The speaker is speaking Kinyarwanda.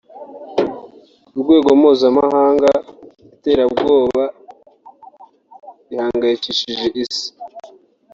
Ku rwego mpuzamahanga iterambwoba rihangayikishije isi